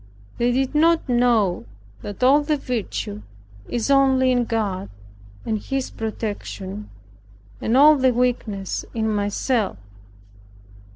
They did not know that all the virtue is only in God, and His protection, and all the weakness in myself.